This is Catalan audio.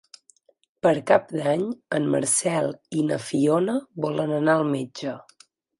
Per Cap d'Any en Marcel i na Fiona volen anar al metge.